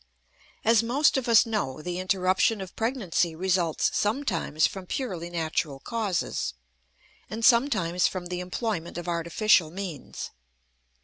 As most of us know, the interruption of pregnancy results sometimes from purely natural causes, and sometimes from the employment of artificial means.